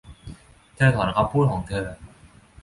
เธอถอนคำพูดของเธอ